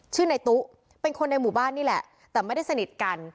ชื่อในตู้เป็นคนในหมู่บ้านนี่แหละแต่ไม่ได้สนิทกัน